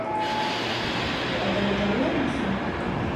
Bu adamı tanıyor musun?